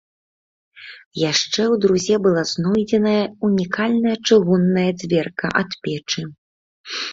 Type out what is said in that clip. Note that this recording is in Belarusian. Яшчэ ў друзе была знойдзеная ўнікальная чыгунная дзверка ад печы.